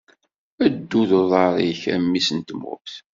Ddu d uḍaṛ-ik a mmi-s n tmurt!